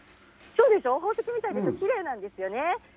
そうでしょ、宝石みたいでしょ、きれいなんですよね。